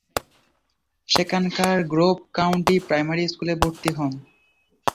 সেখানকার Grove County primary স্কুলে ভর্তি হন।